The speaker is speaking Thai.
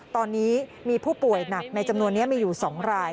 ตอนนี้มีผู้ป่วยหนักในจำนวนนี้มีอยู่๒ราย